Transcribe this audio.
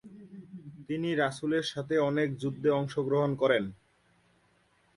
তিনি রাসুলের সাথে অনেক যুদ্ধে অংশ গ্রহণ করেন।